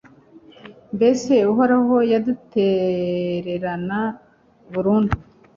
mbese uhoraho yadutererana burundu